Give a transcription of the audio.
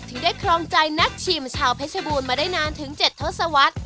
ถึงได้ครองใจนักชิมชาวเพชรบูรณ์มาได้นานถึง๗ทศวรรษ